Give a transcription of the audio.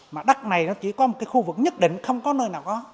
mà đất này nó chỉ có một cái khu vực nhất định không có nơi nào có